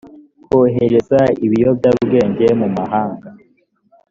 kohereza ibiyobyabwenge mu mahanga